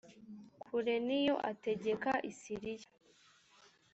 kureniyo ategeka i siriya